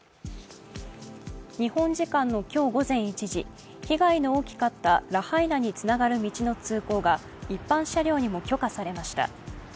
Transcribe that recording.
日本時間の今日午前１時、被害の大きかったラハイナにつながる道の通行が一般車両にも許可されました。